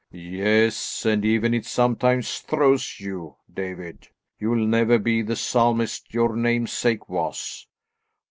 "Yes, and even it sometimes throws you, David. You'll never be the Psalmist your namesake was.